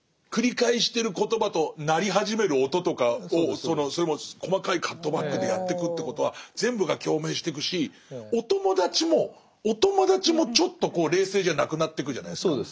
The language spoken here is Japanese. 繰り返してる言葉と鳴り始める音とかをそれも細かいカットバックでやってくということは全部が共鳴してくしお友達もお友達もちょっと冷静じゃなくなってくじゃないですか。